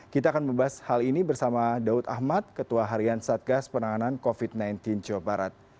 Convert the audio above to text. kita akan membahas hal ini bersama daud ahmad ketua harian satgas penanganan covid sembilan belas jawa barat